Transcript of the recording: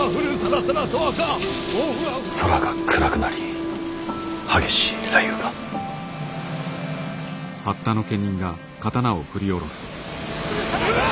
空が暗くなり激しい雷雨が。ああ！